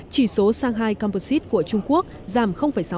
chỉ số shanghai composite của trung quốc giảm sáu